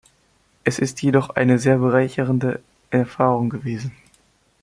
Es ist jedoch eine sehr bereichernde Erfahrung gewesen.